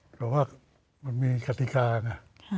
เพราะว่ามันมีกติกาไง